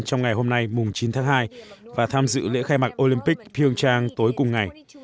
trong ngày hôm nay chín tháng hai và tham dự lễ khai mạc olympic pyeongchang tối cùng ngày